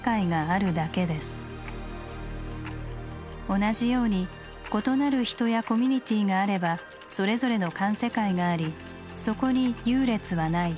同じように異なる人やコミュニティーがあればそれぞれの環世界がありそこに優劣はない。